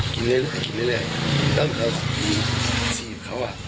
กินเรื่อยกินเรื่อยตั้งครับสีเขาอ่ะ